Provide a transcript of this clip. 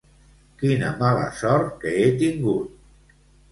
Quina mala sort que he tingut!